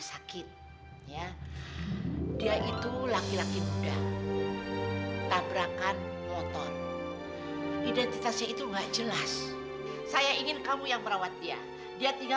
sampai jumpa di video selanjutnya